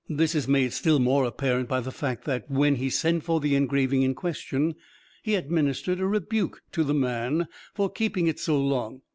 This is made still more apparent by the fact that, when he sent for the engraving in question, he administered a rebuke to the man for keeping it so long.